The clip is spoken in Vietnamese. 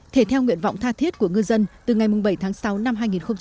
thể theo nguyện vọng tha thiết của ngư dân từ ngày bảy tháng sáu năm hai nghìn hai mươi